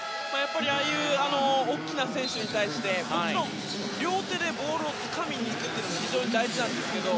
ああいう大きな選手に対して両手でボールをつかみにいくのは非常に大事なんですけど